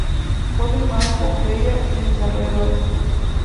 Fue filmada en Pompeya y en sus alrededores.